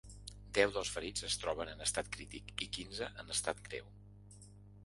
Deu dels ferits es troben en estat crític i quinze, en estat greu.